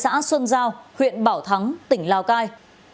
công an thành phố xuân giao huyện bảo thắng tỉnh lào cai